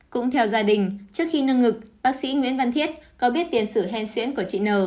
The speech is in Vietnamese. cũng theo gia đình trước khi nâng ngực bác sĩ nguyễn văn thiết có biết tiền sử hèen xuyễn của chị n